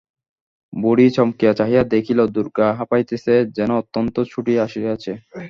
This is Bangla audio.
বুড়ি চমকিয়া চাহিয়া দেখিল দুর্গা হাঁপাইতেছে, যেন অত্যন্ত ছুটিয়া আসিয়াছে।